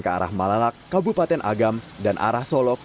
ke arah malalak kabupaten agam dan arah solok